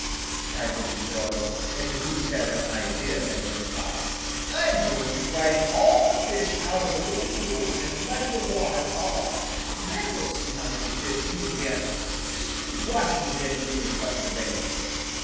cried Little Joe, into whose head an idea had just popped. "I'm going to drive all the fish out of the little pools and muddy the water all up. Then we'll see how many fish he will get! Just you watch me get even with Buster Bear."